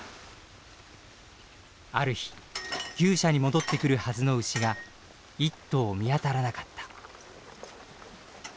ある日牛舎に戻ってくるはずの牛が一頭見当たらなかった。